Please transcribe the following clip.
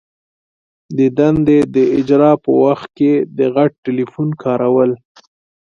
د دندي د اجرا په وخت کي د غټ ټلیفون کارول.